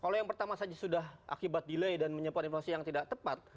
kalau yang pertama saja sudah akibat delay dan menyiapkan informasi yang tidak tepat